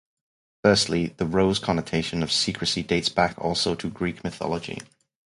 Firstly, the rose's connotation of secrecy dates back also to Greek mythology.